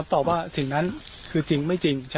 เอาเป็นว่าอ้าวแล้วท่านรู้จักแม่ชีที่ห่มผ้าสีแดงไหม